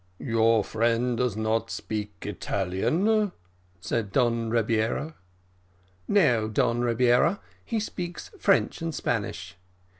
"Your friend does not speak Italian," said Don Rebiera. "No, Don Rebiera, he speaks French and Spanish."